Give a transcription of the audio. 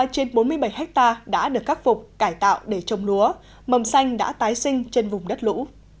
một mươi trên bốn mươi bảy hectare đã được khắc phục cải tạo để trồng lúa mầm xanh đã tái sinh trên vùng đất lũ